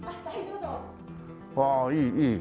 うわあいいいい。